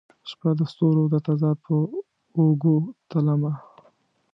شپه د ستورو د تضاد په اوږو تلمه